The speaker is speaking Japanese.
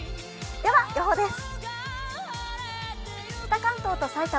では予報です。